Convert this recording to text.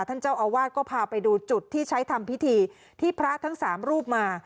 ท่านเจ้าอาวาสก็พาไปดูจุดที่ใช้ทำพิธีที่พระทั้งสามรูปมา